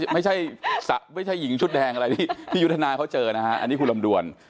ไม่ใช่หญิงชุดแดงอะไรที่ยุทธนาเขาเจอนะฮะอันนี้คุณลำดวน